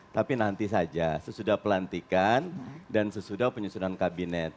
tapi nanti saja sesudah pelantikan dan sesudah penyusunan kabinet